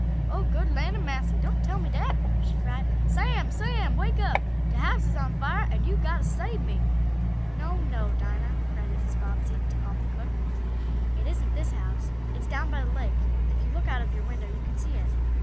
"Oh good land a'massy! Don't tell me dat!" she cried. "Sam! Sam! Wake up. De house is on fire an' you'se got t' sabe me!" "No, no, Dinah!" cried Mrs. Bobbsey, to calm the cook. "It isn't this house. It's down by the lake. If you look out of your window you can see it."